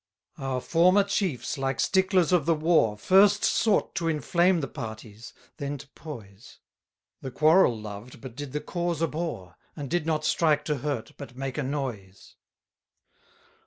11 Our former chiefs, like sticklers of the war, First sought to inflame the parties, then to poise: The quarrel loved, but did the cause abhor; And did not strike to hurt, but make a noise.